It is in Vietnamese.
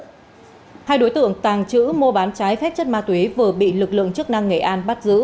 hai đối tượng tàng trữ mua bán trái phép chất ma túy vừa bị lực lượng chức năng nghệ an bắt giữ